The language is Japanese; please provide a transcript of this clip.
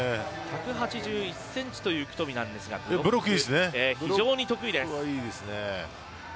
１８１ｃｍという九冨なんですが非常に得意です。